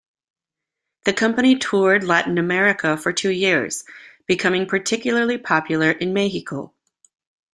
The company toured Latin America for two years, becoming particularly popular in Mexico.